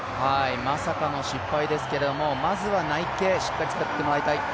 まさかの失敗ですけれども、まずは内傾しっかり使ってもらいたい。